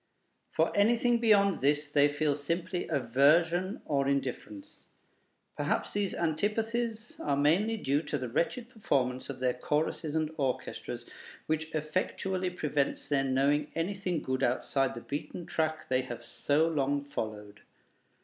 For anything beyond this they feel simply aversion or indifference. Perhaps these antipathies are mainly due to the wretched performance of their choruses and orchestras, which effectually prevents their knowing anything good outside the beaten track they have so long followed.